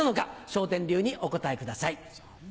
笑点流にお答えください。